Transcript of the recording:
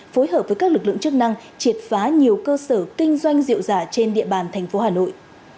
phối hợp với các lực lượng chức năng triệt phá nhiều cơ sở kinh doanh rượu giả trên địa bàn thành phố hà nội